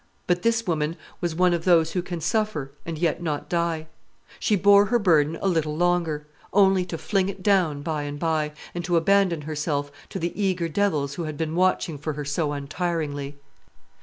But this woman was one of those who can suffer, and yet not die. She bore her burden a little longer; only to fling it down by and by, and to abandon herself to the eager devils who had been watching for her so untiringly.